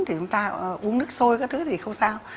thì chúng ta uống nước sôi các thứ thì không sao